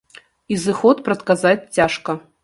І зыход прадказаць цяжка.